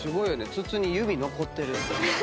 筒に弓残ってる。